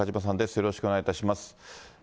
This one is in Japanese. よろしくお願いします。